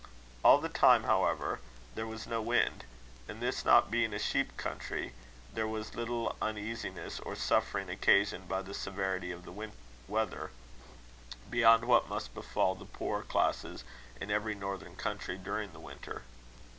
All the time, however, there was no wind; and this not being a sheep country, there was little uneasiness or suffering occasioned by the severity of the weather, beyond what must befall the poorer classes in every northern country during the winter.